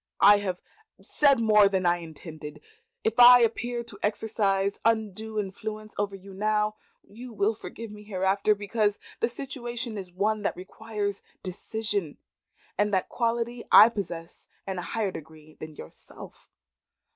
"I have said more than I intended. If I appear to exercise undue influence over you now, you will forgive me hereafter, because the situation is one that requires decision, and that quality I possess in a higher degree than yourself.